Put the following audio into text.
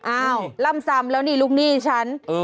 อ้าวล่ำซำแล้วนี่ลูกหนี้ฉัน